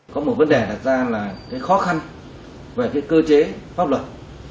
có một vấn đề đặt ra là cái khó khăn về cái cơ chế pháp luật